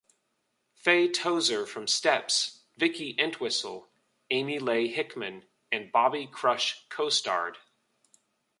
Faye Tozer from Steps, Vicky Entwistle, Amy Leigh Hickman and Bobby Crush Co-starred.